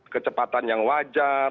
kecepatan yang wajar